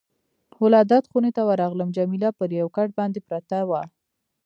ولادت خونې ته ورغلم، جميله پر یو کټ باندې پرته وه.